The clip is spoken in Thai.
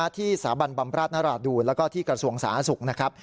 ที่สาบันบำราชนราดูแล้วก็ที่กระทรวงสาศุกร์